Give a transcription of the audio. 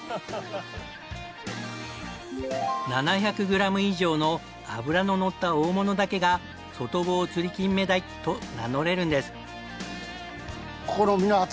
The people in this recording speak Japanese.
７００グラム以上の脂ののった大物だけが外房つりきんめ鯛と名乗れるんです。